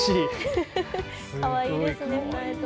かわいいですね。